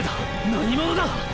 何者だッ